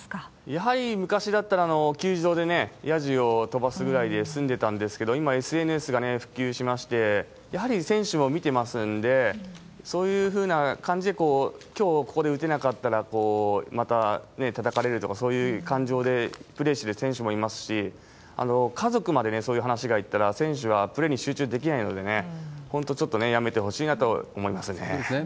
やはり昔だったら、球場でやじを飛ばすぐらいで済んでたんですけど、今、ＳＮＳが普及しまして、やはり選手も見てますんで、そういうふうな感じで、きょう、ここで打てなかったらまたたたかれるとか、そういう感情でプレーしてる選手もいますし、家族までそういう話がいったら、選手はプレーに集中できないのでね、本当、ちょっとやめてほしいそうですね。